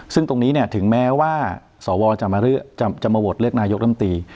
ซึ่งตรงนี้ถึงแม้ว่าสวจะมาโหวตเลือกนายกรัมตี